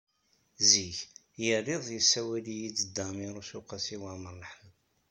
Zik, yal iḍ yessawal-iyi-d Dda Ɛmiiruc u Qasi Waɛmer n Ḥmed.